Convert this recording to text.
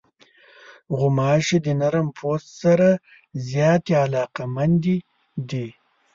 غوماشې د نرم پوست سره زیاتې علاقمندې دي.